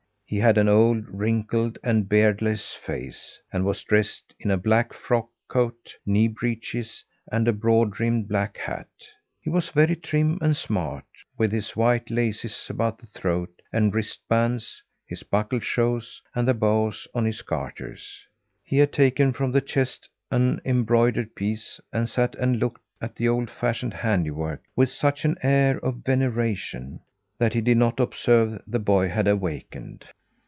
He had an old, wrinkled and beardless face, and was dressed in a black frock coat, knee breeches and a broad brimmed black hat. He was very trim and smart, with his white laces about the throat and wrist bands, his buckled shoes, and the bows on his garters. He had taken from the chest an embroidered piece, and sat and looked at the old fashioned handiwork with such an air of veneration, that he did not observe the boy had awakened.